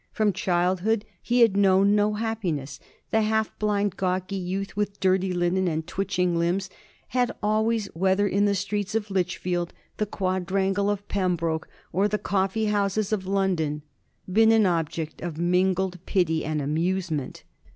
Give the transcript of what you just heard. From childhood he had known no happiness. The half blind gawky youth, with dirty linen and twitching limbs, had always, whether in the streets of Lichfield, the quadrangle of Pembroke, or the coffee houses of London, been an object of mingled pity and amusement.